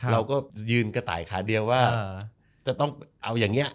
เราก็ยืนกระต่ายขาเดียวว่าจะต้องเอาอย่างนี้